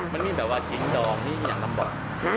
มันมีแบบว่าชิ้นดองมีอีกอย่างน้ำบอก